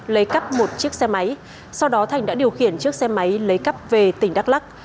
lấy cắp một chiếc xe máy sau đó thành đã điều khiển chiếc xe máy lấy cắp về tỉnh đắk lắc